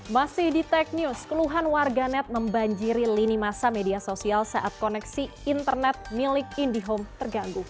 masih di tech news keluhan warganet membanjiri lini masa media sosial saat koneksi internet milik indihome terganggu